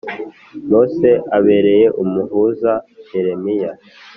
Mose abereye umuhuza Yeremiya